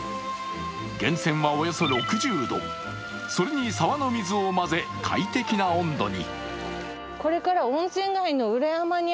源泉はおよそ６０度、それに沢の水を混ぜ、快適な温度に。